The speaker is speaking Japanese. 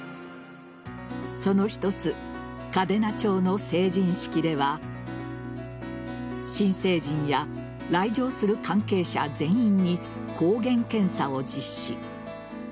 その一つ、嘉手納町の成人式では新成人や来場する関係者全員に抗原検査を実施。